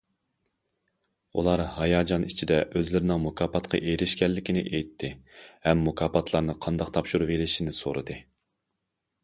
ئۇلار ھاياجان ئىچىدە ئۆزلىرىنىڭ مۇكاپاتقا ئېرىشكەنلىكىنى ئېيتتى، ھەم مۇكاپاتلارنى قانداق تاپشۇرۇۋېلىشنى سورىدى.